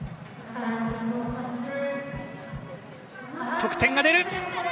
得点が出る。